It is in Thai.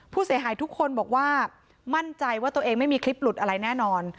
ผู้เสียหายทุกคนบอกว่ามั่นใจว่าตัวเองไม่มีคลิปหลุดอะไรแน่นอน